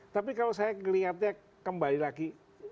tapi kalau saya melihatnya kembali lagi